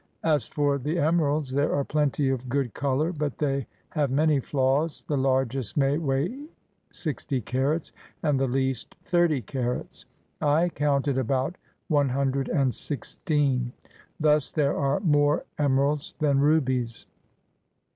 As for the emeralds, there are plenty of good color, but they have many flaws; the largest may weigh sixty carats and the least thirty carats. I counted about one hundred and sixteen; thus there are more emeralds than rubies.